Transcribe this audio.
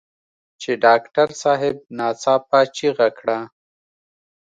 چې ډاکټر صاحب ناڅاپه چيغه کړه.